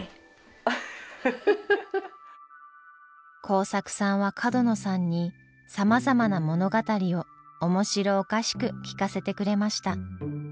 孝作さんは角野さんにさまざまな物語を面白おかしく聞かせてくれました。